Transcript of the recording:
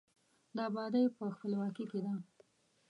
د آبادي په، خپلواکۍ کې ده.